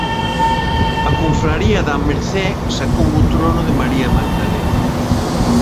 A confraría da Mercé sacou o trono de María Magdalena.